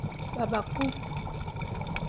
Babaku.